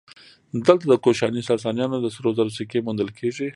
دلته د کوشاني ساسانیانو د سرو زرو سکې موندل کېږي